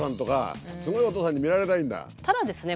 ただですね